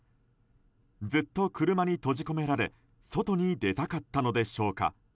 ずっと車に閉じ込められ外に出たかったのでしょうか？